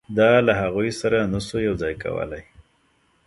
دا له هغوی سره نه شو یو ځای کولای.